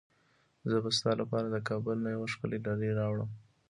زه به ستا لپاره د کابل نه یوه ښکلې ډالۍ راوړم.